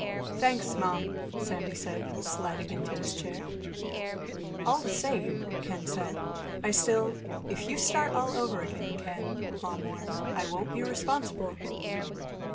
"Thanks, Mom," Sandy said, sliding into his chair. "All the same," Ken said, "I still—" "If you start all over again, Ken," Mom warned, "I won't be responsible."